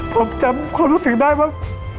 ผมจำความรู้สึกได้ว่า